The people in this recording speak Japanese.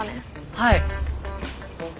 はい。